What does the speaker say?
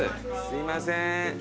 すいませーん。